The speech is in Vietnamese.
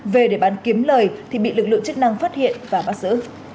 về để bán kiếm lời thì bị lực lượng chức năng phát hiện và bắt giữ